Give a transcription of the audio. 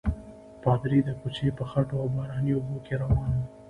پادري د کوڅې په خټو او باراني اوبو کې روان وو.